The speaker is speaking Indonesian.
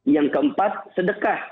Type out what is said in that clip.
yang keempat sedekah